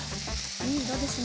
いい色ですね。